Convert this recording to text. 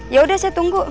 yaudah saya tunggu